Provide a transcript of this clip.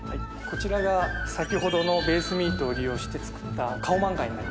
こちらが先ほどのべースミートを利用して作った泪鵐い砲覆蠅